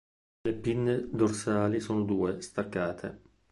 Le pinne dorsali sono due, staccate.